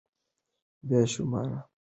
بې شماره √ بې شمېره